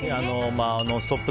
「ノンストップ！」